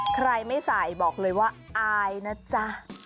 ใครไม่ใส่บอกเลยว่าอายนะจ๊ะ